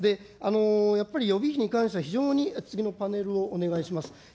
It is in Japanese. やっぱり予備費に関しては、非常に、次のパネルをお願いします。